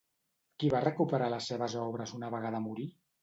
Qui va recuperar les seves obres una vegada morí?